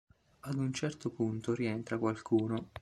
Ad un certo punto rientra qualcuno.